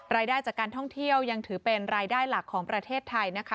รายได้จากการท่องเที่ยวยังถือเป็นรายได้หลักของประเทศไทยนะคะ